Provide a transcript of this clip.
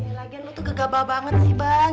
eh lagian lo tuh kegaba banget sih bang